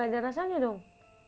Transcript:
gak ada rasanya dong